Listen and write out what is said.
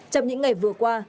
trong những ngày vừa qua